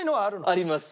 あります。